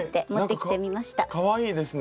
かわいいですね。